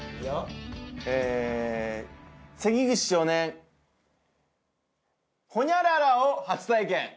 関口少年ホニャララを初体験！